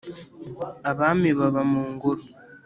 abami baba mu ngoro.